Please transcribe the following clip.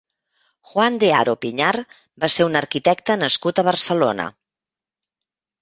Juan de Haro Piñar va ser un arquitecte nascut a Barcelona.